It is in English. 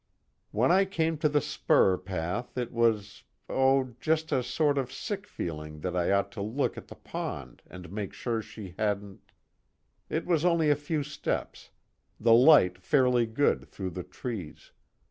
_ "When I came to the spur path it was oh, just a sort of sick feeling that I ought to look at the pond and make sure she hadn't it was only a few steps, the light fairly good through the trees.